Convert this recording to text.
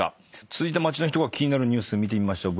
続いて街の人が気になるニュース見てみましょう。